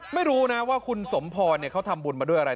ไม่รู้นะว่าคุณสมพรเขาทำบุญมาด้วยอะไร